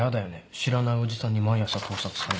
知らないおじさんに毎朝盗撮されるの。